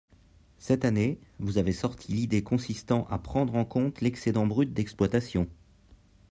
Cette année, vous avez sorti l’idée consistant à prendre en compte l’excédent brut d’exploitation.